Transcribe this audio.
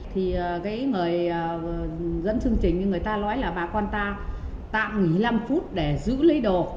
thì cái người dẫn chương trình như người ta nói là bà con ta tạm nghỉ năm phút để giữ lấy đồ